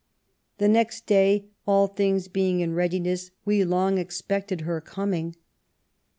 The next day, all things being in readi ness, we long expected her coming.